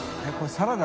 サラダ。